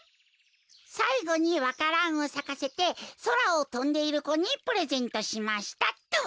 「さいごにわからんをさかせてそらをとんでいる子にプレゼントしました」っと。